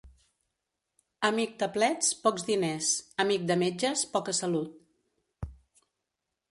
Amic de plets, pocs diners; amic de metges, poca salut.